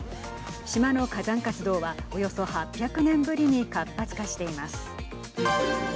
島の火山活動はおよそ８００年ぶりに活発化しています。